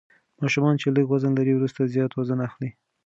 ماشومان چې لږ وزن لري وروسته زیات وزن اخلي.